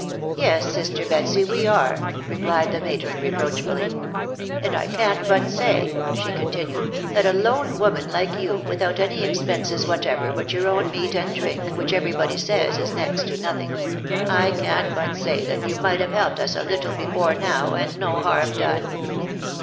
" Yes, sister Betsy, we are/' replied the matron reproach * fully. " And I can't but say," she continued. " that a lone woman like you, without any expenses whatever but your own meat and drink, which every body says is next to nothing, — 1 can't but say that you might have helped us a little before now, and no harm done."